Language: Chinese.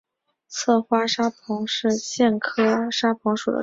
侧花沙蓬是苋科沙蓬属的植物。